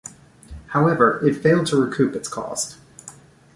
However, it failed to recoup its cost.